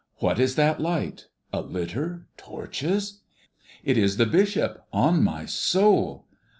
What is that light? A litter, torches! It is the bishop, on my soul!